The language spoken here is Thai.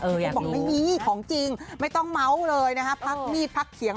เขาบอกไม่มีของจริงไม่ต้องเมาส์เลยนะฮะพักมีดพักเขียง